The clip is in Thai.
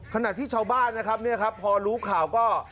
ขณะที่ชาวบ้านนะครับเนี่ยครับพอรู้ข่าวก็